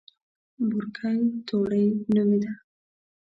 بورګۍ توړۍ نومېده.